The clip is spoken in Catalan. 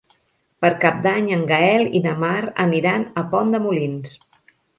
Per Cap d'Any en Gaël i na Mar aniran a Pont de Molins.